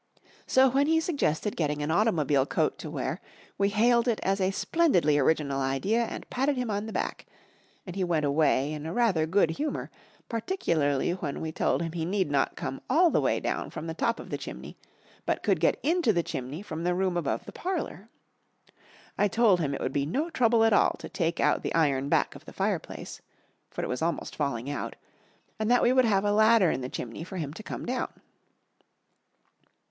So when he suggested getting an automobile coat to wear, we hailed it as a splendidly original idea, and patted him on the back, and he went away in a rather good humour, particularly when we told him he need not come all the way down from the top of the chimney, but could get into the chimney from the room above the parlour. I told him it would be no trouble at all to take out the iron back of the fireplace, for it was almost falling out, and that we would have a ladder in the chimney for him to come down.